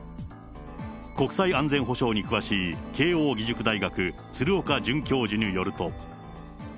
国際安全保障に詳しい慶應義塾大学、鶴岡准教授によると。